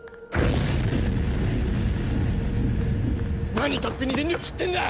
何勝手に電力切ってんだ！